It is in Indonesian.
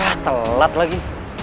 ah telat lagi